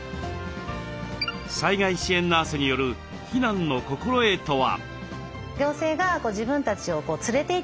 災害支援ナースによる避難の心得とは？